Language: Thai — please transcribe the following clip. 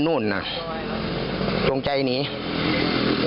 กระทั่งตำรวจก็มาด้วยนะคะ